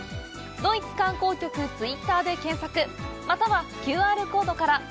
「ドイツ観光局ツイッター」で検索またはＱＲコードから。